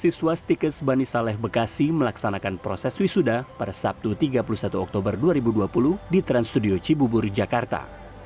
dua puluh siswa stikes bani saleh bekasi melaksanakan proses wisuda pada sabtu tiga puluh satu oktober dua ribu dua puluh di trans studio cibubur jakarta